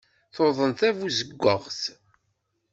Tuḍen tabuzewwaɣt.